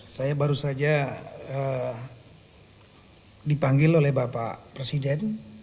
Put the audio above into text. saya baru saja dipanggil oleh bapak presiden